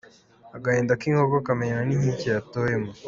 Agahinda k’inkoko kamenywa n’inkike yatoyemo.